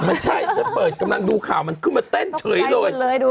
ไม่ใช่ฉันเปิดอย่างกำลังดูข่ามันมาเต้นเฉยเลย